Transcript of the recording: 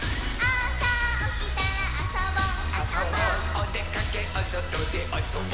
「おでかけおそとであそぼ」